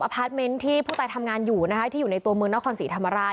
พาร์ทเมนต์ที่ผู้ตายทำงานอยู่นะคะที่อยู่ในตัวเมืองนครศรีธรรมราช